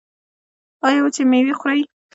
ایا وچې میوې خورئ؟